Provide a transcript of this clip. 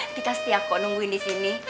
dikasih aku nungguin disini